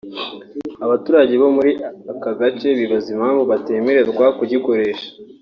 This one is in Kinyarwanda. Abaturage bo muri aka gace bibaza impamvu batemererwa kugikoresha